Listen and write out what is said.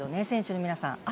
選手の皆さん。